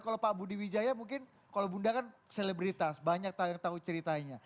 kalau pak budi wijaya mungkin kalau bunda kan selebritas banyak yang tahu ceritanya